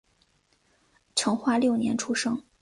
成化六年出生。